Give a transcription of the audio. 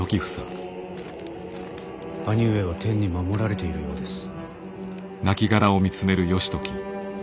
兄上は天に守られているようです。